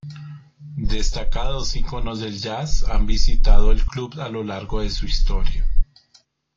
Destacados íconos del Jazz han visitado el club a lo largo de su historia.